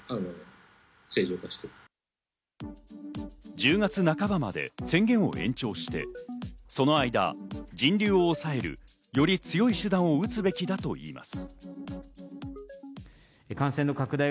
１０月半ばまで宣言を延長して、その間、人流を抑える、より強い手段を打つべきだといいます。